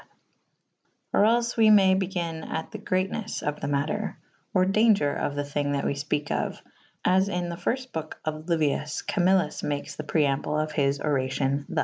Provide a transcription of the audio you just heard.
Or els we may begyn at the gretenw '' of the mater / or dau^zger of. the thyng that we fpeke of / as in the fyfte boke of Liui«.f Camillz^j' maketh the preamble of his oracio '/ th«j